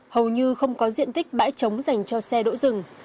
hầu như không có diện tích bãi trống dành cho xe đỗ rừng